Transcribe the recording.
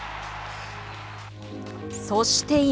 そして、今。